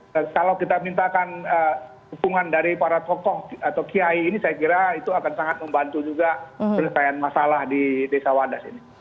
jadi kalau kita minta kan hubungan dari para tokoh atau kiai ini saya kira itu akan sangat membantu juga perlindungan masalah di desa wadas ini